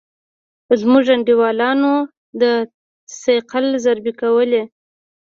زموږ انډيوالانو د ثقيل ضربې کولې.